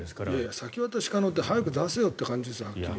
先渡し可能って早く出せという感じですよ。